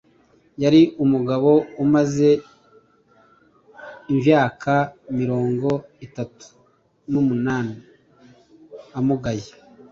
Yari umugabo umaze imvaka mirongo itatu n'umunani amugaye.